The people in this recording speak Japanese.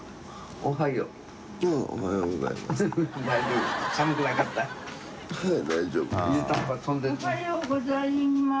・おはようございます。